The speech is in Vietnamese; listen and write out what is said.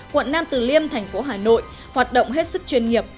quận nam từ liêm thành phố hà nội hoạt động hết sức chuyên nghiệp